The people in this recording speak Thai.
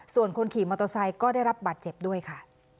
ส่วนคนขี่มอเตอร์ไซค์ก็ได้รับบาดเจ็บด้วยค่ะ